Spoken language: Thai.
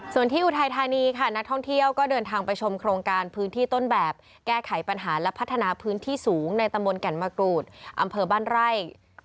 ส่วนที่อุทัยธานีค่ะนักท่องเที่ยวก็เดินทางไปชมโครงการพื้นที่ต้นแบบแก้ไขปัญหาและพัฒนาพื้นที่สูงในตำบลแก่นมะกรูดอำเภอบ้านไร่